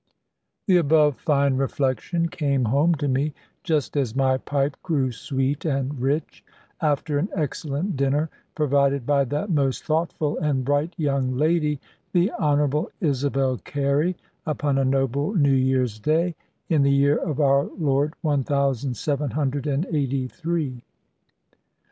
The above fine reflection came home to me, just as my pipe grew sweet and rich, after an excellent dinner, provided by that most thoughtful and bright young lady, the Honourable Isabel Carey, upon a noble New Year's Day, in the year of our Lord one thousand seven hundred and eighty three.